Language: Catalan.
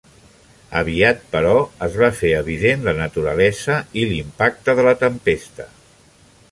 Aviat, però, es va fer evident la naturalesa i l'impacte de la tempesta.